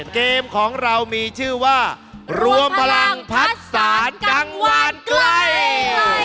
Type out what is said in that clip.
เกมของเรามีชื่อว่ารวมพลังพัดสารกลางวานใกล้